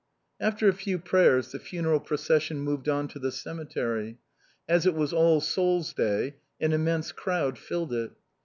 After a few prayers the funeral procession moved on to the cemetery. As it was All Souls' Day an immense crowd filled it.